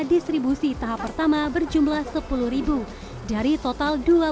distribusi tahap pertama berjumlah sepuluh dari dua puluh masyarakat yang berada di kota bandung